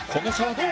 どう？